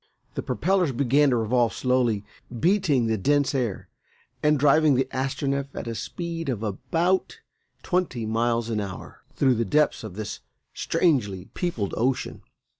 The propellers began to revolve slowly, beating the dense air and driving the Astronef at a speed of about twenty miles an hour through the depths of this strangely peopled ocean.